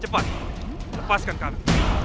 cepat lepaskan kami